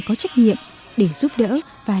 có trách nhiệm để giúp đỡ và